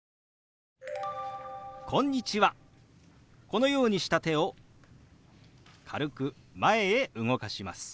このようにした手を軽く前へ動かします。